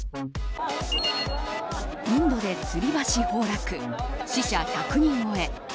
インドで吊り橋崩落死者１００人超え。